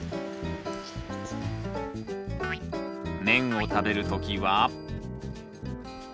麺を食べる時は。